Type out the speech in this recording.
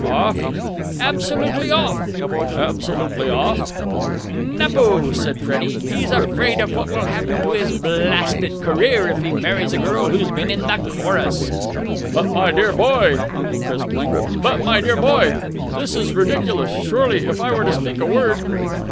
"Off?" "Absolutely off!" "Absolutely off?" "Napoo!" said Freddie. "He's afraid of what will happen to his blasted career if he marries a girl who's been in the chorus." "But, my dear boy!" Uncle Chris blinked. "But, my dear boy! This is ridiculous.... Surely, if I were to speak a word...."